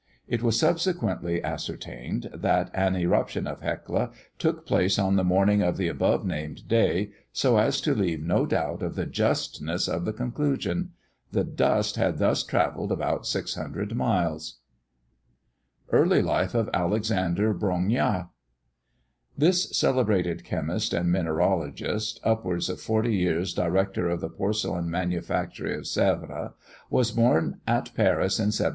It was subsequently ascertained that an eruption of Hecla took place on the morning of the above named day, so as to leave no doubt of the justness of the conclusion. The dust had thus travelled about 600 miles! EARLY LIFE OF ALEXANDER BRONGNIART. This celebrated chemist and mineralogist, upwards of forty years director of the porcelain manufactory of Sèvres, was born at Paris in 1770.